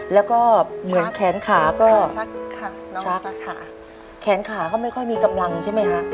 แล้วก็เหมือนแขนขาก็ชักแขนขาก็ไม่ค่อยมีกำลังใช่ไหมฮะ